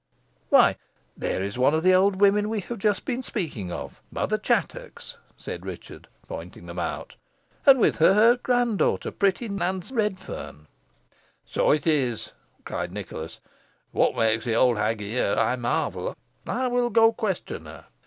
"Why, there is one of the old women we have just been speaking of Mother Chattox," said Richard, pointing them out, "and with her, her grand daughter, pretty Nan Redferne." "So it is," cried Nicholas, "what makes the old hag here, I marvel! I will go question her."